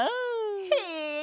へえ！